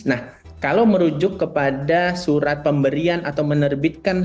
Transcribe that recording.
nah kalau merujuk kepada surat pemberian atau menerbitkan surat